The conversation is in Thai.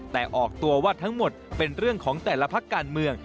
แต่ออกตัวว่าทั้งหมดเป็นเรื่องของแต่ละพักการเมือง